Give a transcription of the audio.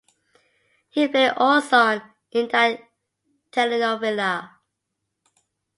He played "Orson" in that telenovela.